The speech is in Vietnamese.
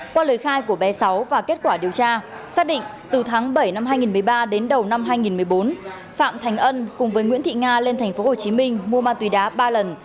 qua lời khai của bé sáu và kết quả điều tra xác định từ tháng bảy năm hai nghìn một mươi ba đến đầu năm hai nghìn một mươi bốn phạm thành ân cùng với nguyễn thị nga lên tp hcm mua ma túy đá ba lần